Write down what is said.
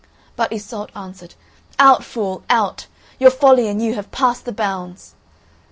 But Iseult answered: "Out, fool, out! Your folly and you have passed the bounds!"